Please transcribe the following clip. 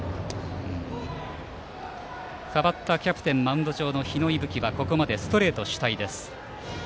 代わったキャプテンマウンド上の日野勇吹はここまでストレート主体。